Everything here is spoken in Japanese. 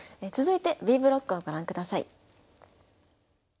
続いてＢブロックをご覧ください。